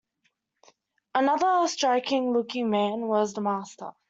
Another striking looking man was the Master.